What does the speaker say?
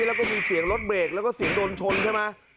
แล้วก็มีเสียงรถเบรกแล้วก็เสียงโดนชนใช่ไหม